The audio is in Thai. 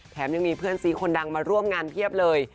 ยังมีเพื่อนซีคนดังมาร่วมงานเพียบเลย